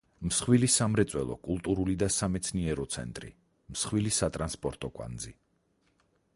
მსხვილი სამრეწველო, კულტურული და სამეცნიერო ცენტრი, მსხვილი სატრანსპორტო კვანძი.